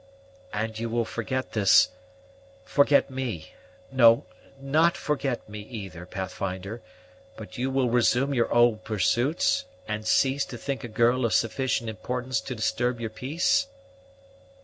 "And you will forget this forget me no, not forget me, either, Pathfinder; but you will resume your old pursuits, and cease to think a girl of sufficient importance to disturb your peace?"